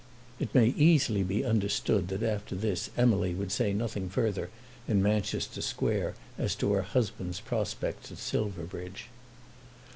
It may easily be understood that after this Emily would say nothing further in Manchester Square as to her husband's prospects at Silverbridge.